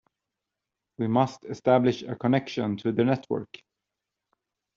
We must establish a connection to the network.